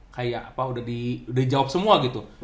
kayak udah di jawab semua gitu